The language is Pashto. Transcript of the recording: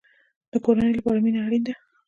د کورنۍ لپاره مینه اړین ده